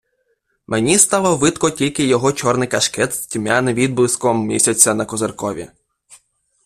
Мені стало видко тільки його чорний кашкет з тьмяним відблиском місяця на козиркові.